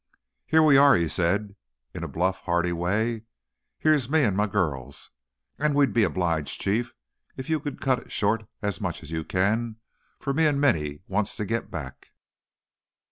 "Here we are," he said, in a bluff, hearty way; "here's me and my girls, and we'd be obliged, Mr. Chief, if you'd cut it short as much as you can, for me and Minny wants to get back."